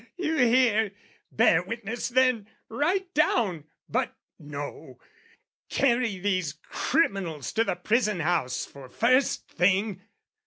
"You hear? Bear witness, then! Write down...but, no "Carry these criminals to the prison house, "For first thing!